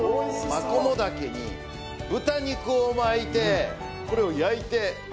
マコモダケに豚肉を巻いてこれを焼いて食べるんですよ。